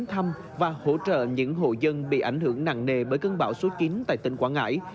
thứ trưởng lê quốc hùng đã đến thăm và hỗ trợ những hộ dân bị ảnh hưởng nặng nề bởi cơn bão số chín tại tỉnh quảng ngãi